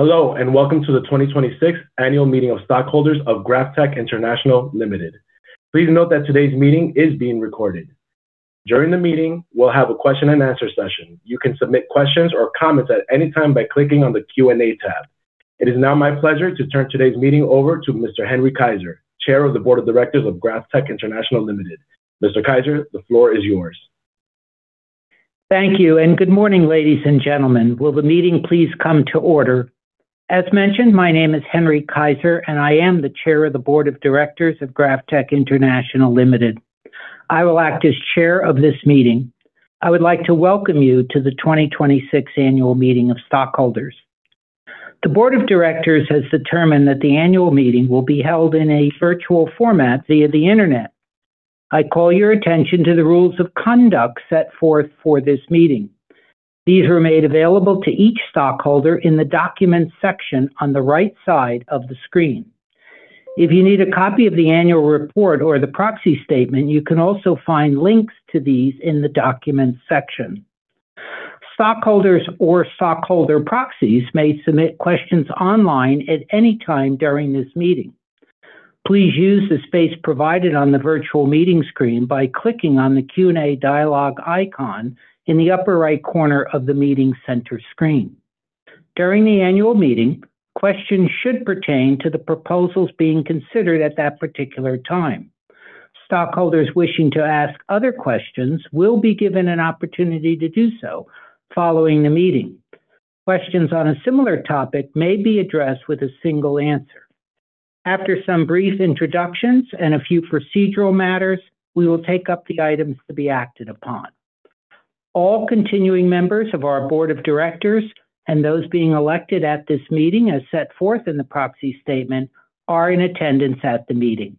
Hello, welcome to the 2026 Annual Meeting of Stockholders of GrafTech International Ltd. Please note that today's meeting is being recorded. During the meeting, we'll have a question and answer session. You can submit questions or comments at any time by clicking on the Q&A tab. It is now my pleasure to turn today's meeting over to Mr. Henry Keizer, Chair of the Board of Directors of GrafTech International Ltd. Mr. Keizer, the floor is yours. Thank you. Good morning, ladies and gentlemen. Will the meeting please come to order? As mentioned, my name is Henry Keizer. I am the Chair of the Board of Directors of GrafTech International Ltd. I will act as Chair of this meeting. I would like to welcome you to the 2026 Annual Meeting of Stockholders. The Board of Directors has determined that the Annual Meeting will be held in a virtual format via the Internet. I call your attention to the rules of conduct set forth for this meeting. These were made available to each stockholder in the Documents section on the right side of the screen. If you need a copy of the annual report or the proxy statement, you can also find links to these in the Documents section. Stockholders or stockholder proxies may submit questions online at any time during this meeting. Please use the space provided on the virtual meeting screen by clicking on the Q&A dialogue icon in the upper right corner of the meeting center screen. During the Annual Meeting, questions should pertain to the proposals being considered at that particular time. Stockholders wishing to ask other questions will be given an opportunity to do so following the meeting. Questions on a similar topic may be addressed with a single answer. After some brief introductions, and a few procedural matters, we will take up the items to be acted upon. All continuing members of our Board of Directors, and those being elected at this meeting, as set forth in the proxy statement, are in attendance at the meeting.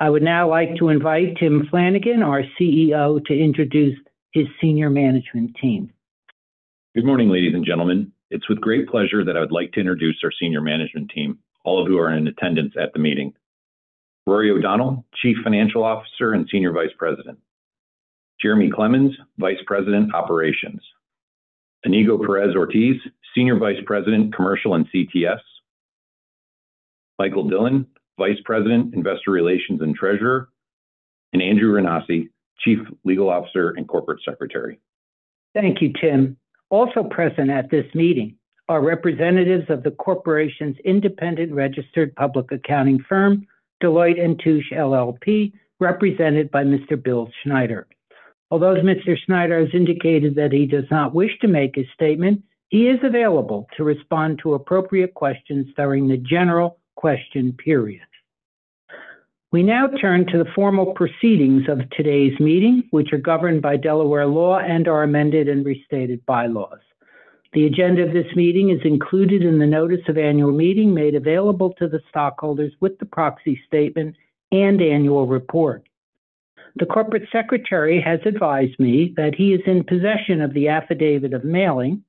I would now like to invite Tim Flanagan, our CEO, to introduce his senior management team. Good morning, ladies and gentlemen. It's with great pleasure that I would like to introduce our senior management team, all of whom are in attendance at the meeting. Rory O'Donnell, Chief Financial Officer and Senior Vice President, Jeremy Clemens, Vice President, Operations, Iñigo Perez Ortiz, Senior Vice President, Commercial and CTS, Michael Dillon, Vice President, Investor Relations and Treasurer, and Andrew Renacci, Chief Legal Officer and Corporate Secretary. Thank you, Tim. Also present at this meeting are representatives of the corporation's independent registered public accounting firm, Deloitte & Touche LLP, represented by Mr. Bill Schneider. Although Mr. Schneider has indicated that he does not wish to make a statement, he is available to respond to appropriate questions during the general question period. We now turn to the formal proceedings of today's meeting, which are governed by Delaware law, and our amended, and restated by-laws. The agenda of this meeting is included in the Notice of Annual Meeting made available to the stockholders with the proxy statement and annual report. The Corporate Secretary has advised me that he is in possession of the affidavit of mailing,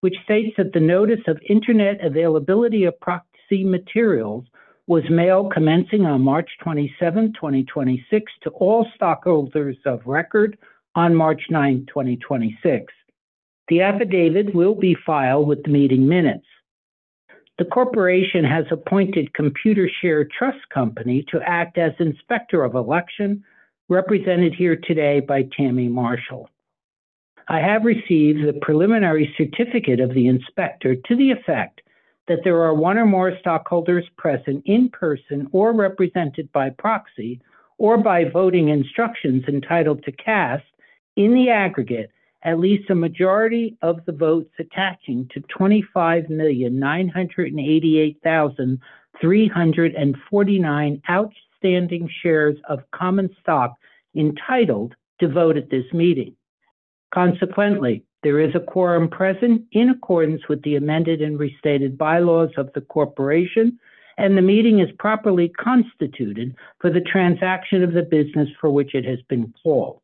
which states that the notice of Internet availability of proxy materials was mailed commencing on March 27, 2026 to all stockholders of record on March 9, 2026. The affidavit will be filed with the meeting minutes. The corporation has appointed Computershare Trust Company to act as Inspector of Election, represented here today by Tammie Marshall. I have received the preliminary certificate of the Inspector to the effect that there are one or more stockholders present in person, or represented by proxy, or by voting instructions entitled to cast in the aggregate at least a majority of the votes attaching to 25,988,349 outstanding shares of common stock entitled to vote at this meeting. Consequently, there is a quorum present in accordance with the amended, and restated by-laws of the corporation, and the meeting is properly constituted for the transaction of the business for which it has been called.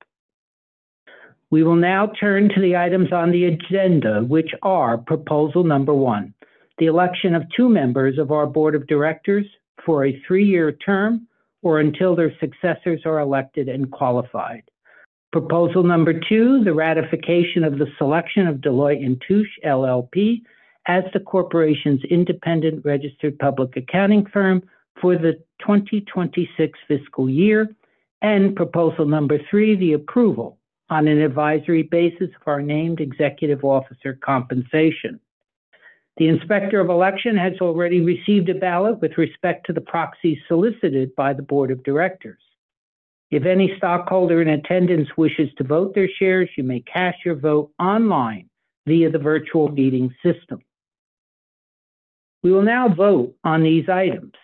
We will now turn to the items on the agenda, which are proposal number one, the election of two members of our board of directors for a three-year term, or until their successors are elected and qualified. Proposal number two, the ratification of the selection of Deloitte & Touche LLP as the corporation's independent registered public accounting firm for the 2026 fiscal year. Proposal number three, the approval on an advisory basis of our named executive officer compensation. The Inspector of Election has already received a ballot with respect to the proxy solicited by the Board of Directors. If any stockholder in attendance wishes to vote their shares, you may cast your vote online via the virtual meeting system. We will now vote on these items.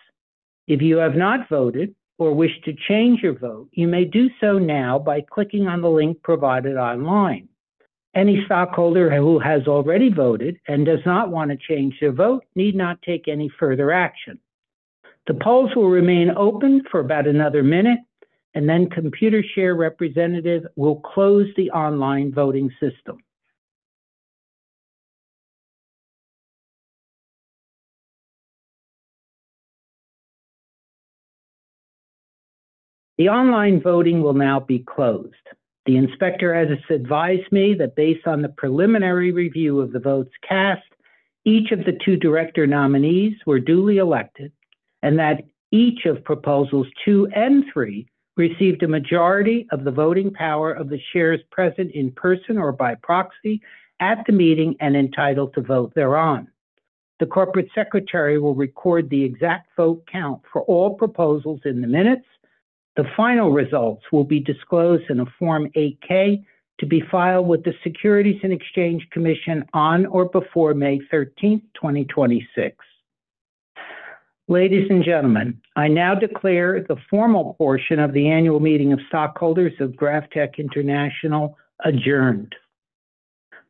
If you have not voted, or wish to change your vote, you may do so now by clicking on the link provided online. Any stockholder who has already voted, and does not want to change their vote need not take any further action. The polls will remain open for about another minute, and then Computershare representative will close the online voting system. The online voting will now be closed. The inspector has advised me that based on the preliminary review of the votes cast, each of the two Director nominees were duly elected, and that each of proposals two and three received a majority of the voting power of the shares present in person, or by proxy at the meeting, and entitled to vote thereon. The Corporate Secretary will record the exact vote count for all proposals in the minutes. The final results will be disclosed in a Form 8-K to be filed with the Securities and Exchange Commission on or before May 13, 2026. Ladies and gentlemen, I now declare the formal portion of the Annual Meeting of stockholders of GrafTech International adjourned.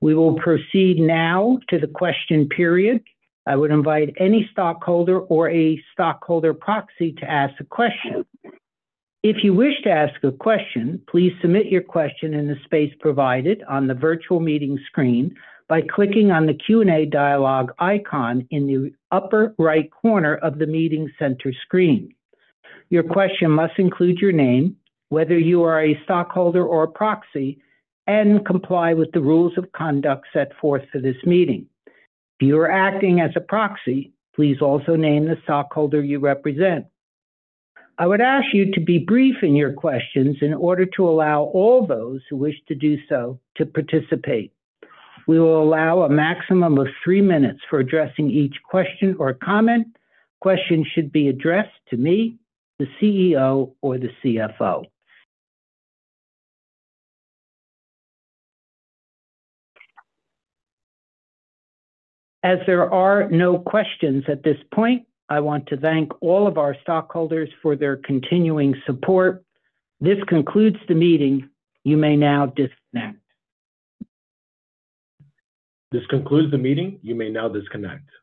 We will proceed now to the question period. I would invite any stockholder, or a stockholder proxy to ask a question. If you wish to ask a question, please submit your question in the space provided on the virtual meeting screen by clicking on the Q&A dialogue icon in the upper right corner of the meeting center screen. Your question must include your name, whether you are a stockholder or a proxy, and comply with the rules of conduct set forth for this meeting. If you are acting as a proxy, please also name the stockholder you represent. I would ask you to be brief in your questions in order to allow all those who wish to do so to participate. We will allow a maximum of three minutes for addressing each question or comment. Questions should be addressed to me, the CEO, or the CFO. As there are no questions at this point, I want to thank all of our stockholders for their continuing support. This concludes the meeting. You may now disconnect. This concludes the meeting. You may now disconnect.